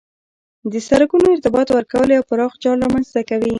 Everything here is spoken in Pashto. د سرکونو ارتباط ورکول یو پراخ جال رامنځ ته کوي